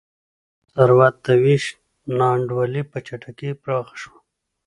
ثروت د وېش نا انډولي په چټکۍ پراخه شوه.